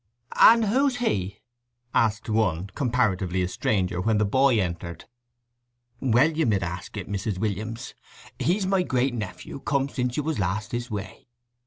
"And who's he?" asked one, comparatively a stranger, when the boy entered. "Well ye med ask it, Mrs. Williams. He's my great nephew—come since you was last this way."